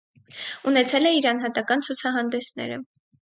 Ունեցել է իր անհատական ցուցահանդեսները։